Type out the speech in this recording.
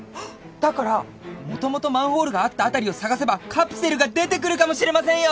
だからもともとマンホールがあった辺りを捜せばカプセルが出てくるかもしれませんよ！